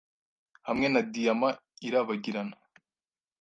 Hamwe na diyama irabagirana